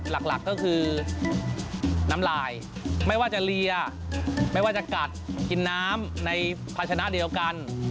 หลักก็คือน้ำลายไม่ว่าจะเรียไม่ว่าจะกัดกินน้ำในภาชนะเดียวกัน